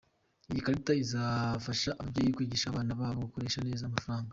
Iyi karita izafasha ababyeyi kwigisha abana babo gukoresha neza amafaranga.